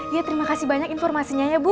ya terima kasih banyak informasinya ya bu